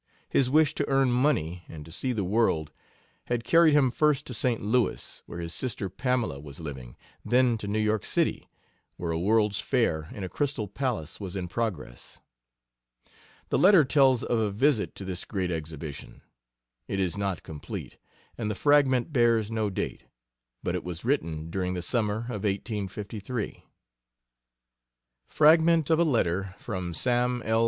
His wish to earn money and to see the world had carried him first to St. Louis, where his sister Pamela was living, then to New York City, where a World's Fair in a Crystal Palace was in progress. The letter tells of a visit to this great exhibition. It is not complete, and the fragment bears no date, but it was written during the summer of 1853. Fragment of a letter from Sam L.